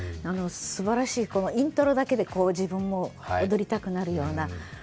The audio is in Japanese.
すばらしい、イントロだけで自分も踊りたくなるような。